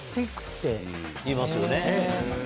いいますよね。